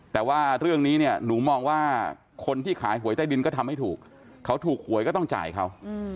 แต่ว่าเรื่องนี้เนี่ยหนูมองว่าคนที่ขายหวยใต้ดินก็ทำให้ถูกเขาถูกหวยก็ต้องจ่ายเขา